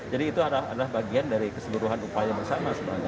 jadi itu adalah bagian dari keseluruhan upaya bersama sebenarnya